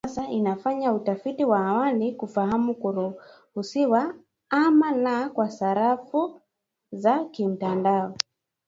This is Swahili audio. Benki hiyo kwa sasa inafanya utafiti wa awali kufahamu kuruhusiwa ama la kwa sarafu za kimtandao